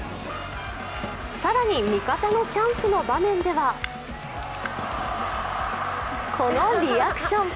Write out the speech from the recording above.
更に、味方のチャンスの場面ではこのリアクション。